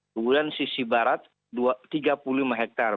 kemudian sisi barat tiga puluh lima hektare